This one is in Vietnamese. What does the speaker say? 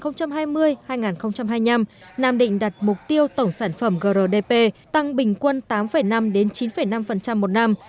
nhiệm ký hai nghìn hai mươi hai nghìn hai mươi năm nam định đặt mục tiêu tổng sản phẩm grdp tăng bình quân tám năm chín năm một năm